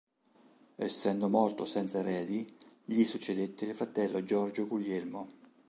Essendo morto senza eredi, gli succedette il fratello Giorgio Guglielmo.